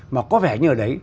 mà có vẻ như ở đấy